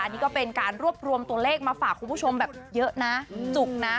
อันนี้ก็เป็นการรวบรวมตัวเลขมาฝากคุณผู้ชมแบบเยอะนะจุกนะ